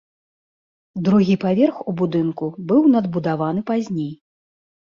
Другі паверх у будынку быў надбудаваны пазней.